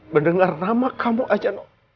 mendengar nama kamu aja